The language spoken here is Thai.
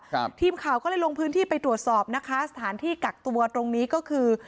ทีมข่าวก็เลยลงพื้นที่ไปตรวจสอบนะคะสถานที่กักตัวตรงนี้ก็คือ